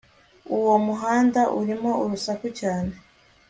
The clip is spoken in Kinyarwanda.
uwo muhanda urimo urusaku cyane